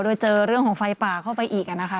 โดยเจอเรื่องของไฟป่าเข้าไปอีกนะคะ